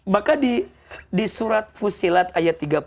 maka di surat fusilat ayat tiga puluh